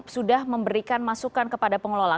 sudah memberikan masukan kepada pengelola